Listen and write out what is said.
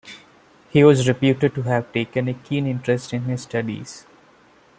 He was reputed to have taken a keen interest in his studies.